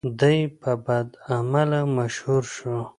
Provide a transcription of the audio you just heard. دی په بدعمله مشهور شو.